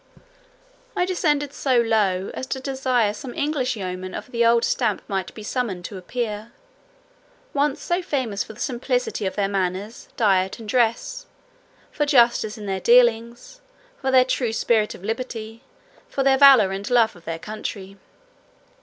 I descended so low, as to desire some English yeoman of the old stamp might be summoned to appear; once so famous for the simplicity of their manners, diet, and dress; for justice in their dealings; for their true spirit of liberty; for their valour, and love of their country.